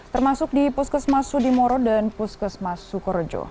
termasuk di puskesmas sudimoro dan puskesmas sukorojo